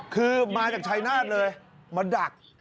คือมาจากชายนาฏเลยมาดัก